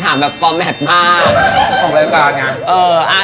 ถามว่าอะไรอะ